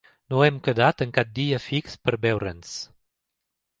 No hem quedat en cap dia fix per veure'ns.